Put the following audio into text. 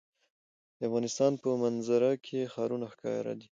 د افغانستان په منظره کې ښارونه ښکاره ده.